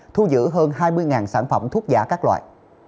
thu giữ hơn hai mươi sản phẩm thuốc giả các loại